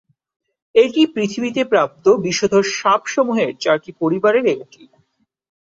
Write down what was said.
এটি পৃথিবীতে প্রাপ্ত বিষধর সাপ সমূহের চারটি পরিবারের একটি।